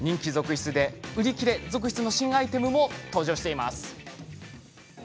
売り切れ続出の新アイテムも登場しています。